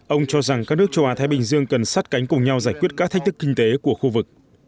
ông cho rằng các nước châu á thái bình dương cần sát cánh cùng nhau giải quyết các thách thức kinh tế của khu vực